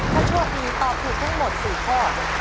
ถ้าช่วงนี้ตอบถูกให้หมด๔ข้อ